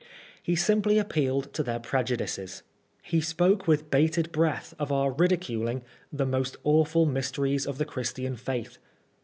He simply appealed to their prejudices. He spoke with bated breath of our ridiculing " the most awful mysteries of the Christian faith."